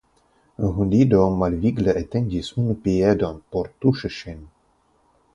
Hundido malvigle etendis unu piedon por tuŝi ŝin.